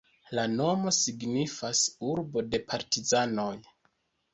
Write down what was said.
La nomo signifas "urbo de partizanoj".